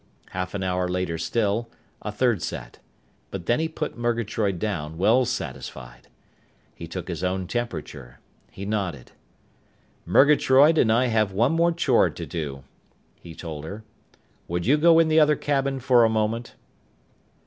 Half an hour later still, a third set. But then he put Murgatroyd down, well satisfied. He took his own temperature. He nodded. "Murgatroyd and I have one more chore to do," he told her. "Would you go in the other cabin for a moment?"